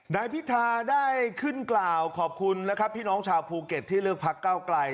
นายพิธาได้ขึ้นกล่าวขอบคุณนะครับพี่น้องชาวภูเก็ตที่เลือกพักเก้าไกล